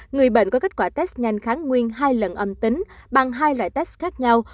người bệnh có kết quả test nhanh kháng nguyên hai lần âm tính bằng hai loại test khác nhau